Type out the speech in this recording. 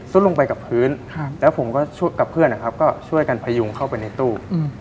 ซุดลงไปกับพื้นแล้วผมกับเพื่อนก็ช่วยกันพยุงเข้าไปในตู้